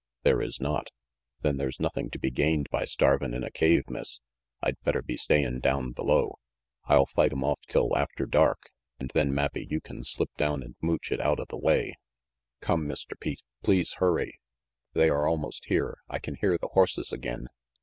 "There is not." "Then there's nothing, to be gained by starvin' in a cave, Miss. I'd better be stayin' down below. I'll fight 'em off till after dark, and then mabbe you can slip down and mooch it outa the way." " Come, Mr. Pete. Please hurry. They are almost here. I can hear the horses again."